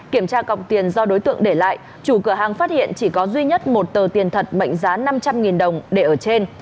kiểm tra cọc tiền do đối tượng để lại chủ cửa hàng phát hiện chỉ có duy nhất một tờ tiền thật mệnh giá năm trăm linh đồng để ở trên